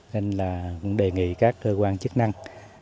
nên là cũng đề nghị các cơ quan chức năng